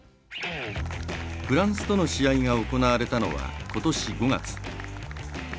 フランスとの試合が行われたのは、ことし５月。